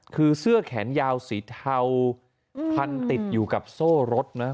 คือเสื้อแขนยาวสีเทาพันติดอยู่กับโซ่รถนะ